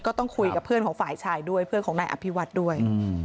ก็ต้องคุยกับเพื่อนของฝ่ายชายด้วยเพื่อนของนายอภิวัฒน์ด้วย